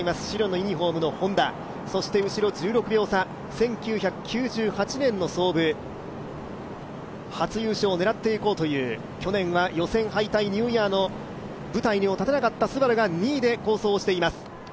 白のユニフォームのＨｏｎｄａ、そして後ろ１６秒差、１９９８年の創部、初優勝を狙っていこうという去年は予選敗退、ニューイヤーの舞台にも立てなかったＳＵＢＡＲＵが２位で好走しています。